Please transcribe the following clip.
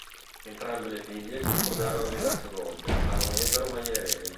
Entrambe le figlie si sposarono diverse volte, ma non ebbero mai eredi.